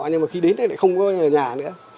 nhưng mà khi đến thì lại không có ở nhà nữa